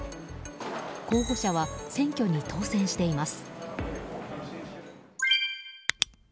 候補者は選挙に当選しています。